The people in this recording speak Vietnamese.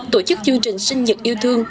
tổ chức chương trình sinh nhật yêu thương